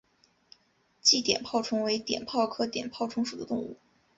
鲫碘泡虫为碘泡科碘泡虫属的动物。